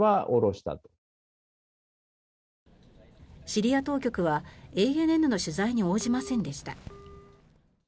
シリア当局はＡＮＮの取材に応じませんでした。